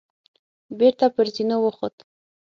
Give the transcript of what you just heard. بېرته پر زينو وخوت.